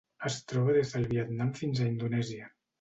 Es troba des del Vietnam fins a Indonèsia.